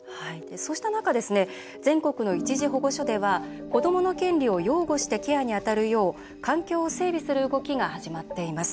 こうした中全国の一時保護所では子どもの権利を擁護してケアに当たるよう環境を整備する動きが始まっています。